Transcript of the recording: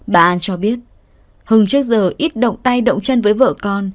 bà an cho biết hưng trước giờ ít động tay động chân với vợ con